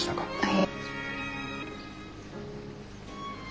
はい。